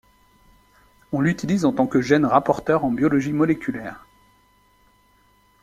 On l'utilise en tant que gène rapporteur en biologie moléculaire.